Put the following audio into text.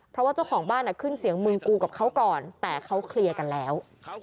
เพราะว่าเจ้าของบ้านขึ้นเสียงมึงกูกับเขาก่อนแต่เขาเคลียร์กันแล้ว